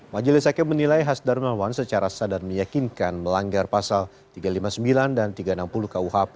majelis hakim menilai has darmawan secara sadar meyakinkan melanggar pasal tiga ratus lima puluh sembilan dan tiga ratus enam puluh kuhp